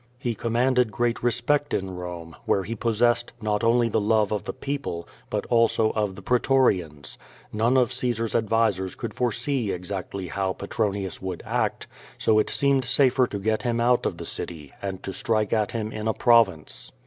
He commanded great respect in Bome, where he possessed not only the lovu of the people, but also of the pretorians. None of Caesar's ad visors could foresee exactly how Petronius would act, so it scerjjed safer to get him out of the citj', and to strike at him in a province.